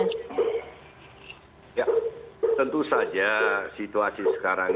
kepada pak jokowi untuk bisa di rombak atau di perbaiki kinerjanya